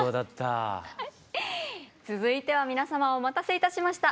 続いては皆様お待たせいたしました。